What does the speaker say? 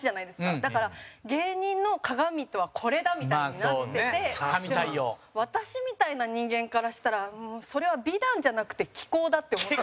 だから、芸人の鑑とはこれだみたいになってて私みたいな人間からしたらそれは美談じゃなくて奇行だって思ってる。